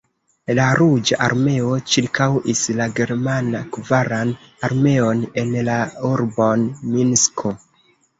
La Ruĝa Armeo ĉirkaŭis la Germana Kvaran Armeon en la urbon Minsko.